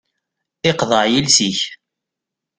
Iqḍeε yiles-ik.